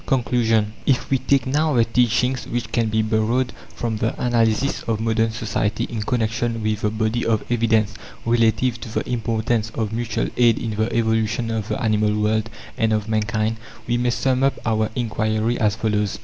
CONCLUSION If we take now the teachings which can be borrowed from the analysis of modern society, in connection with the body of evidence relative to the importance of mutual aid in the evolution of the animal world and of mankind, we may sum up our inquiry as follows.